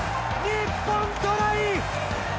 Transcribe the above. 日本、トライ！